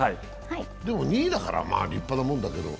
でも２位だから立派なもんだけど。